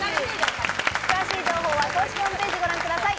詳しい情報は公式ホームページをご覧ください。